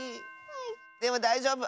でもだいじょうぶ！